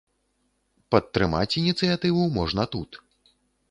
Падтрымаць ініцыятыву можна тут.